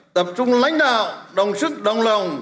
tập trung lãnh đạo đồng sức đồng lòng